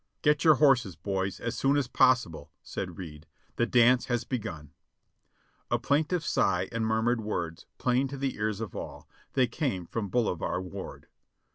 "Get your horses, boys, as soon as possible," said Reid ; "the dance has begun." A plaintive sigh and murmured words, plain to the ears of all ; they came from Bolivar Ward.